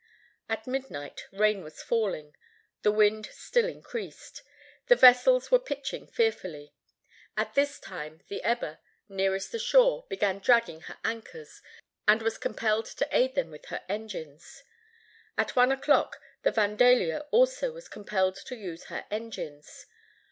At midnight, rain was falling. The wind still increased. The vessels were pitching fearfully. At this time the Eber, nearest the shore, began dragging her anchors, and was compelled to aid them with her engines. At one o'clock the Vandalia, also, was compelled to use her engines.